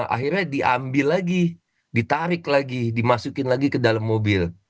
akhirnya diambil lagi ditarik lagi dimasukin lagi ke dalam mobil